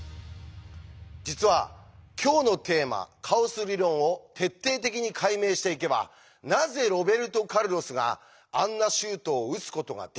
実は今日のテーマ「カオス理論」を徹底的に解明していけばなぜロベルト・カルロスがあんなシュートを打つことができたのか。